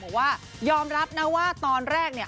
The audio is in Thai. บอกว่ายอมรับนะว่าตอนแรกเนี่ย